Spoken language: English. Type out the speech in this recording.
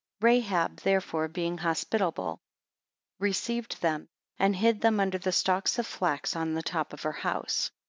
6 Rahab therefore, being hospitable, received them, and hid them under the stalks of flax, on the top of her house.